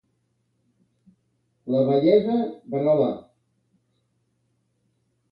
A la vellesa, verola.